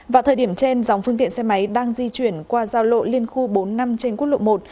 vào thời điểm trên dòng phương tiện xe máy đang di chuyển qua giao lộ liên khu bốn năm trên quốc lộ một